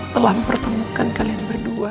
telah mempertemukan kalian berdua